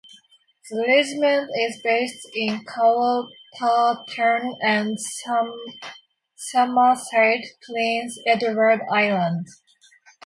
The regiment is based in Charlottetown and Summerside, Prince Edward Island.